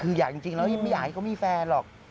คืออยากจริงแล้วไม่อยากให้เขามีแฟนหรอก